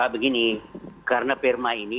begini karena perma ini